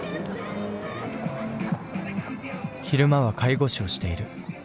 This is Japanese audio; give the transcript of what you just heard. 昼間は介護士をしている。